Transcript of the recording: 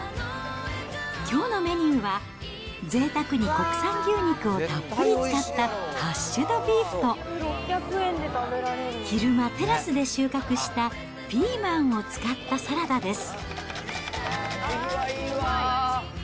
きょうのメニューは、ぜいたくに国産牛肉をたっぷり使ったハッシュドビーフと、昼間、テラスで収穫したピーマンを使ったサラダです。